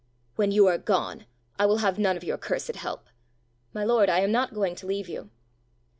"When you are gone. I will have none of your cursed help!" "My lord, I am not going to leave you."